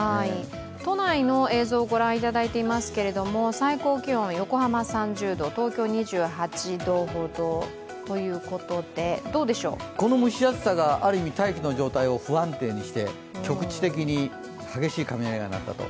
都内の映像を御覧いただいていますけれども、最高気温横浜３０度、東京２８度ほどこの蒸し暑さがある意味、大気の状態を不安定にして局地的に激しい雷が鳴ったと。